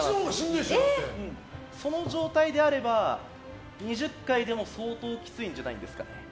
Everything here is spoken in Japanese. その状態なら２０回でも相当きついんじゃないですか？